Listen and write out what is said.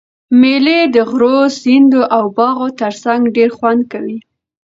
مېلې د غرو، سیندو او باغو ترڅنګ ډېر خوند کوي.